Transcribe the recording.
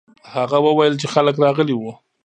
هغه وویل چې خلک راغلي وو.